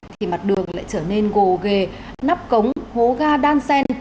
thì mặt đường lại trở nên gồ ghề nắp cống hố ga đan sen